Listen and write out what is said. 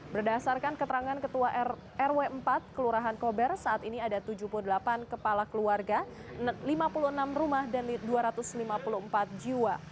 berdasarkan keterangan ketua rw empat kelurahan kober saat ini ada tujuh puluh delapan kepala keluarga lima puluh enam rumah dan dua ratus lima puluh empat jiwa